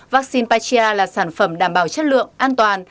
vaccine patria là sản phẩm đảm bảo chất lượng an toàn